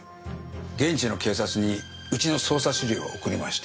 現地の警察にうちの捜査資料を送りました。